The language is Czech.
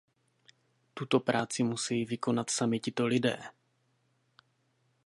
Tuto práci musejí vykonat sami tito lidé.